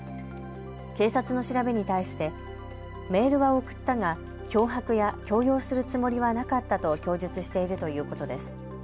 警察の調べに対してメールは送ったが脅迫や強要するつもりはなかったと供述しているということです。